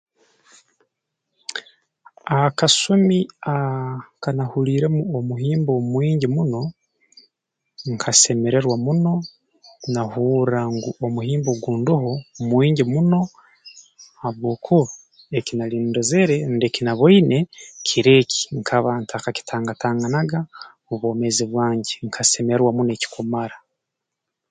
Akasumi ah ka nahuliiremu omuhimbo omwingi muno nkasemererwa muno nahurra ngu omuhimbo ogu ndoho mwingi muno habwokuba eki nali ndozere rundi eki naboine kiro eki nkaba ntakakitangatanganaga mu bwomeezi bwange nkasemererwa muno ekikumara